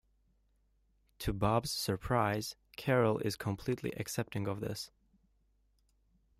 To Bob's surprise, Carol is completely accepting of this.